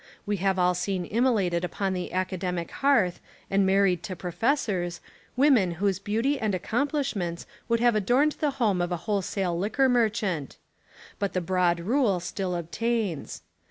We have all seen immolated upon the academic hearth, and married to professors, women whose beauty and accomplishments would have adorned the home of a wholesale liquor mer chant. But the broad rule still obtains.